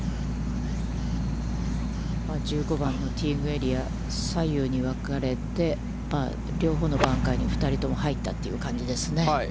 １５番のティーイングエリア、左右に分かれて、両方のバンカーに、２人とも入ったという感じですね。